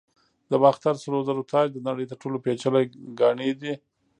د باختر سرو زرو تاج د نړۍ تر ټولو پیچلي ګاڼې دي